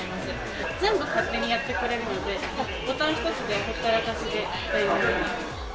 全部勝手にやってくれるので、ボタン１つでほったらかしで使えるような。